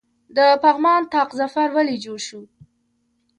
د پغمان طاق ظفر ولې جوړ شو؟